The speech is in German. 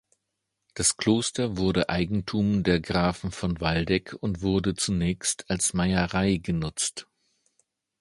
Das Kloster wurde Eigentum der Grafen von Waldeck und zunächst als Meierei genutzt.